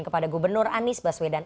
kepada gubernur anies baswedan